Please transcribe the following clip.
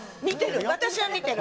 私は見てる」。